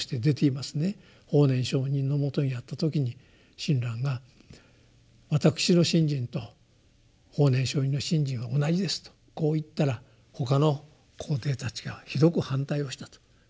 法然上人のもとにあった時に親鸞が「私の信心と法然上人の信心は同じです」とこう言ったら他の高弟たちがひどく反対をしたと。